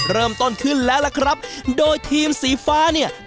เริ่มต้นขึ้นแล้วล่ะครับโดยทีมสีฟ้าเนี่ย